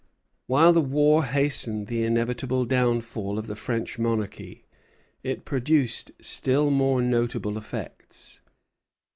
While the war hastened the inevitable downfall of the French monarchy, it produced still more notable effects.